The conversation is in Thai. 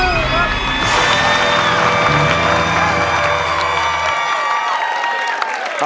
สู้ครับสู้ครับ